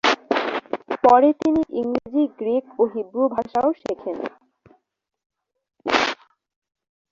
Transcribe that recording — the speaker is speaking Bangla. পরে তিনি ইংরেজি, গ্রিক ও হিব্রু ভাষাও শেখেন।